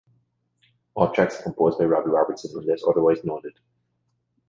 All tracks composed by Robbie Robertson unless otherwise noted.